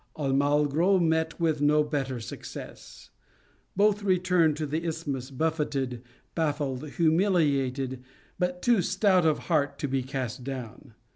Almagro met with no better success. Both returned to the isthmus buffeted, baffled, humiliated, but too stout of heart to be cast down.